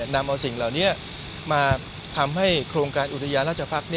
นำเอาสิ่งเหล่านี้มาทำให้โครงการอุทยานราชภักษ์